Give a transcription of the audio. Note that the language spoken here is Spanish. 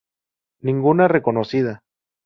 Ninguna reconocida.